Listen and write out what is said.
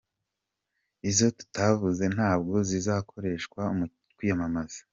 Izo tutavuze ntabwo zizakoreshwa mu kwiyamamaza.